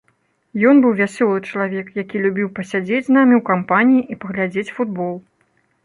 Ён быў вясёлы чалавек, які любіў пасядзець з намі ў кампаніі і паглядзець футбол.